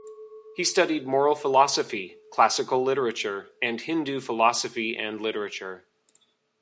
He studied moral philosophy, classical literature, and Hindu philosophy and literature.